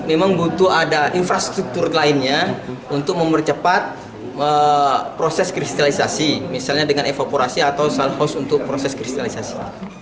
itu ada infrastruktur lainnya untuk mempercepat proses kristalisasi misalnya dengan evaporasi atau salt house untuk proses kristalisasi